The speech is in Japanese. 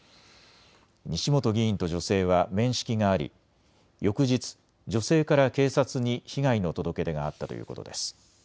西本議員と女性は面識があり翌日、女性から警察に被害の届け出があったということです。